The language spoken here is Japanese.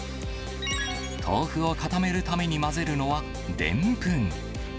豆腐を固めるために混ぜるのはでんぷん。